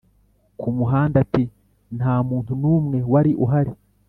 Kamuhanda ati: “Nta muntu n’umwe wari uhari.